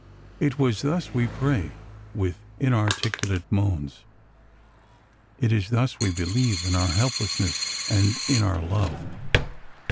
It is thus we pray, with inarticulate moans. It is thus we believe, in our helplessness and in our love.